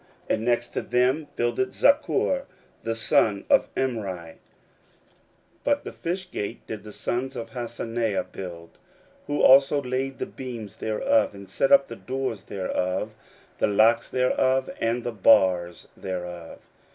And next to them builded Zaccur the son of Imri. 16:003:003 But the fish gate did the sons of Hassenaah build, who also laid the beams thereof, and set up the doors thereof, the locks thereof, and the bars thereof.